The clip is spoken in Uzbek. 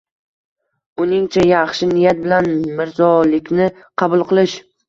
Uningcha, “yaxshi niyat bilan mirzolikni qabul” qilish